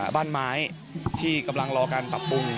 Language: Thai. บ้านไม้ที่กำลังรอการปรับปรุง